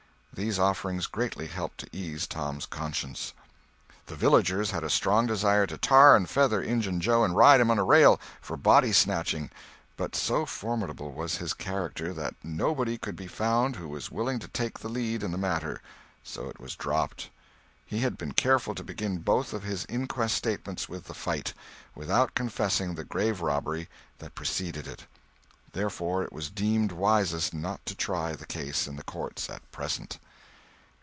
These offerings greatly helped to ease Tom's conscience. The villagers had a strong desire to tar and feather Injun Joe and ride him on a rail, for body snatching, but so formidable was his character that nobody could be found who was willing to take the lead in the matter, so it was dropped. He had been careful to begin both of his inquest statements with the fight, without confessing the grave robbery that preceded it; therefore it was deemed wisest not to try the case in the courts at present.